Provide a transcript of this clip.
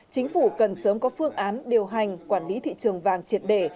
chính phủ cần sớm có phương án điều hành quản lý thị trường vàng triệt đề